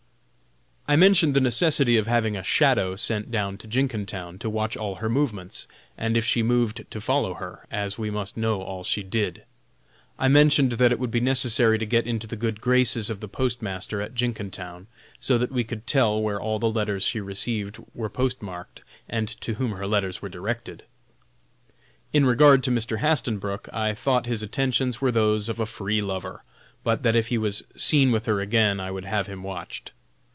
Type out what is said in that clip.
I mentioned the necessity of having a "shadow" sent down to Jenkintown, to watch all her movements, and if she moved to follow her, as we must know all she did. I mentioned that it would be necessary to get into the good graces of the postmaster at Jenkintown, so that we could tell where all the letters she received were post marked, and to whom her letters were directed. In regard to Mr. Hastenbrook, I thought his attentions were those of a "free lover," but that if he was seen with her again I would have him watched.